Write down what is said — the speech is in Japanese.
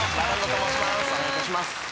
お願いいたします